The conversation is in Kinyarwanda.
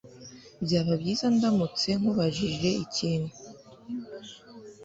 Byaba byiza ndamutse nkubajije ikintu?